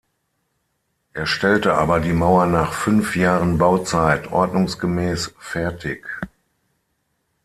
Er stellte aber die Mauer nach fünf Jahren Bauzeit ordnungsgemäß fertig.